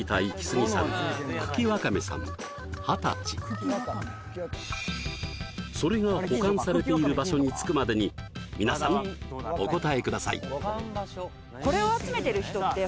クイズまずはそれが保管されている場所に着くまでに皆さんお答えください